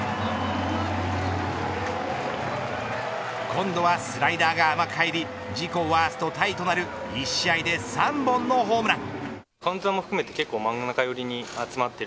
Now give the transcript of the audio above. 今度はスライダーが甘く入り自己ワーストタイとなる１試合で３本のホームラン。